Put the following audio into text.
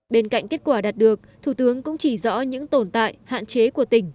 bên cạnh kết quả đạt được thủ tướng cũng chỉ rõ những tồn tại hạn chế của tỉnh